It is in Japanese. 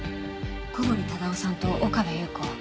小堀忠夫さんと岡部祐子